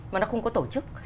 mà nó không có tổ chức